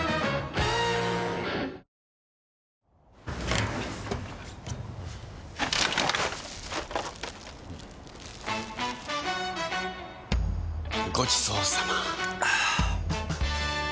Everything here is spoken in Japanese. はぁごちそうさま！